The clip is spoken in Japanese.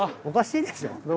おかしいでしょ。